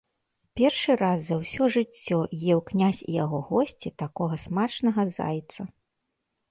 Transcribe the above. Першы раз за ўсё жыццё еў князь і яго госці такога смачнага зайца.